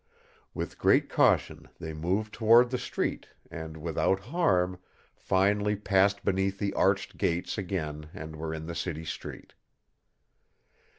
With great caution they moved toward the street and, without harm, finally passed beneath the arched gates again and were in the city street.